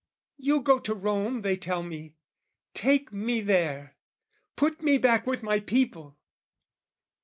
"You go to Rome, they tell me: take me there, "Put me back with my people!"